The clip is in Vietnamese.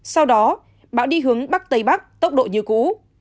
sau đó bão đi hướng bắc tây bắc tốc độ như cũ